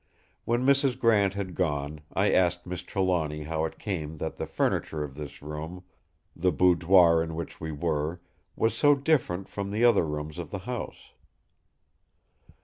When Mrs. Grant had gone, I asked Miss Trelawny how it came that the furniture of this room, the boudoir in which we were, was so different from the other rooms of the house.